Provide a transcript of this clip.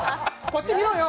こっち見ろよ！